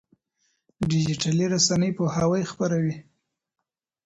ډيجيټلي رسنۍ پوهاوی خپروي.